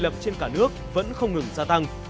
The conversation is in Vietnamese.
thành lập trên cả nước vẫn không ngừng gia tăng